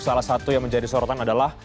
salah satu yang menjadi sorotan adalah